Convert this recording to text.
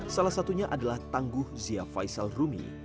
salah satunya adalah tangguh zia faisal rumi